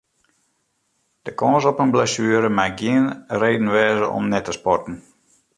De kâns op in blessuere mei gjin reden wêze om net te sporten.